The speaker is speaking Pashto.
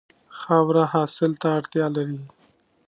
خاوره حاصل ته اړتیا لري.